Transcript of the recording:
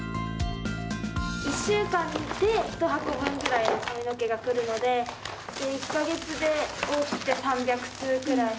１週間で１箱分ぐらいの髪の毛が来るので、１か月で多くて３００通ぐらい。